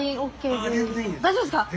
大丈夫ですか？